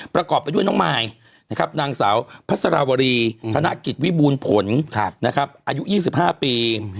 ประกอบไปด้วยน้องมายนางสาวพัสราวรีธนกิจวิบูรณ์ผลอายุ๒๕ปี